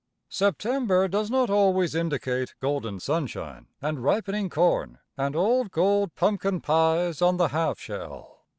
September does not always indicate golden sunshine, and ripening corn, and old gold pumpkin pies on the half shell.